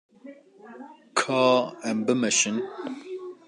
Ka em bimeşin.